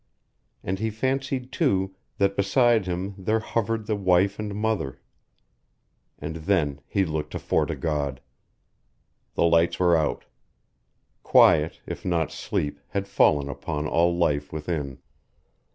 And he fancied, too, that beside him there hovered the wife and mother. And then he looked to Fort o' God. The lights were out. Quiet, if not sleep, had fallen upon all life within.